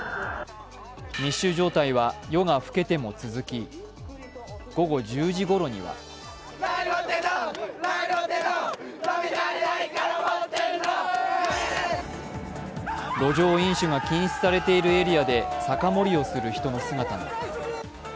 密集状態は夜が更けても続き、午後１０時ごろには路上飲酒が禁止されているエリアで酒盛りをする人の姿が。